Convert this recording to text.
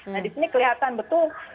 nah di sini kelihatan betul